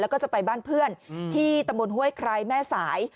แล้วก็จะไปบ้านเพื่อนที่ตำบลห้วยไคร้แม่สาย